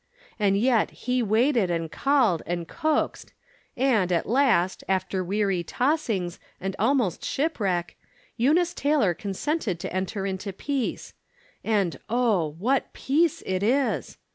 And yet he waited and called and coaxed, and, at last, after weary tossings and al most shipwreck, Eunice Taylor consented to enter into peace. And oh, what peace it is